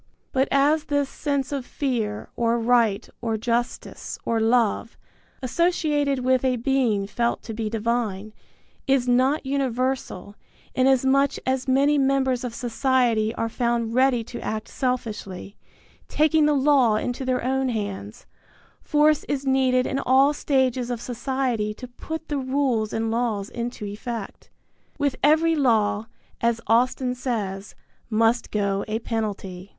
But as this sense of fear or right or justice or love, associated with a Being felt to be divine, is not universal, inasmuch as many members of society are found ready to act selfishly, taking the law into their own hands, force is needed in all stages of society to put the rules and laws into effect. With every law, as Austin says, must go a penalty.